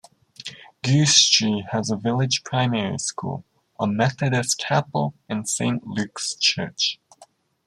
Goostrey has a village primary school, a Methodist chapel and Saint Luke's Church.